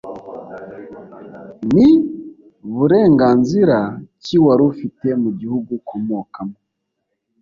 Ni burenganzira ki wari ufite mu gihugu ukomokamo